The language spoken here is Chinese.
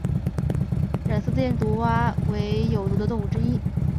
染色箭毒蛙为有毒的动物之一。